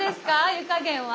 湯加減は。